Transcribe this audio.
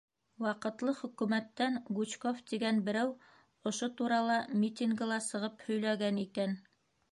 Ваҡытлы хөкүмәттән Гучков тигән берәү ошо турала митингыла сығып һөйләгән икән.